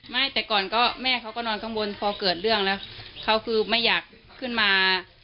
ไม่แต่ก่อนก็แม่เขาก็นอนข้างบนพอเกิดเรื่องแล้วเขาคือไม่อยากขึ้นมา